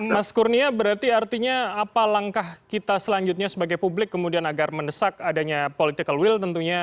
mas kurnia berarti artinya apa langkah kita selanjutnya sebagai publik kemudian agar mendesak adanya political will tentunya